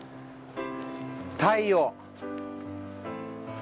太陽。